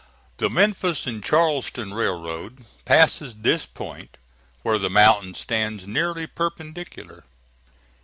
The Memphis and Charleston Railroad passes this point, where the mountain stands nearly perpendicular.